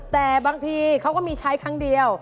แต่บางทีเขาก็มีใช้ครั้งเดียว